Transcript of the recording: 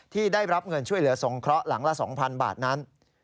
ที่ได้รับเงินช่วยเหลือสงเคราะห์หลังละ๒๐๐๐บาทนั้น